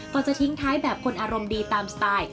จะทิ้งท้ายแบบคนอารมณ์ดีตามสไตล์